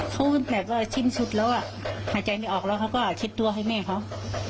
เขาแบบว่าชิ้นสุดแล้วอ่ะหายใจไม่ออกแล้วเขาก็เช็ดตัวให้แม่เขา